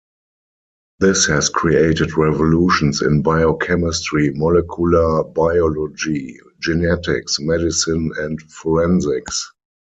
This has created revolutions in biochemistry, molecular biology, genetics, medicine and forensics.